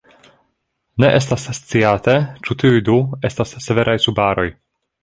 Ne estas sciate ĉu tiuj du estas severaj subaroj.